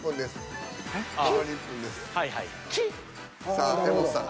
さあ柄本さん。